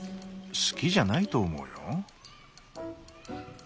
好きじゃないと思うよ。